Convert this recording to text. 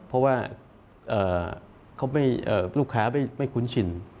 เพราะว่าลูกค้าไม่คุ้นชิน